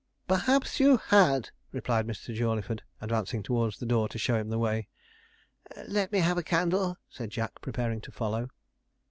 'Perhaps you had,' replied Mr. Jawleyford, advancing towards the door to show him the way. 'Let me have a candle,' said Jack, preparing to follow.